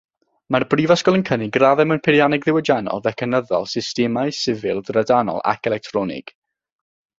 Mae'r brifysgol yn cynnig graddau mewn peirianneg ddiwydiannol, fecanyddol, systemau, sifil, drydanol ac electronig.